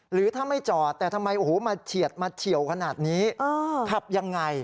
หรือถ้าไม่จอดแต่ทำไมมาเฉียวขนาดนี้ขับยังไง